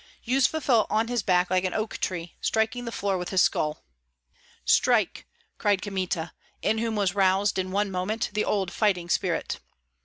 Yuzva fell on his back like an oak tree, striking the floor with his skull. "Strike!" cried Kmita, in whom was roused, in one moment, the old fighting spirit.